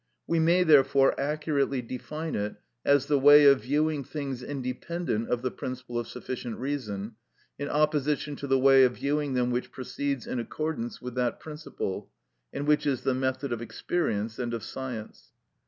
We may, therefore, accurately define it as the way of viewing things independent of the principle of sufficient reason, in opposition to the way of viewing them which proceeds in accordance with that principle, and which is the method of experience and of science.